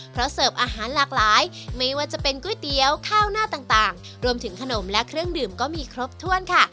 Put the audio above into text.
เพราะเสิร์ฟอาหารหลากหลายไม่ว่าจะเป็นก๋วยเตี๋ยวข้าวหน้าต่างรวมถึงขนมและเครื่องดื่มก็มีครบถ้วนค่ะ